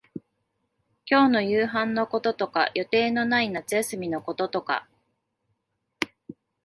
今日の夕飯のこととか、予定のない夏休みのこととか、